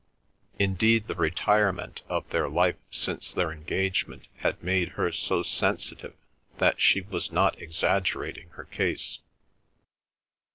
Indeed, the retirement of their life since their engagement had made her so sensitive, that she was not exaggerating her case.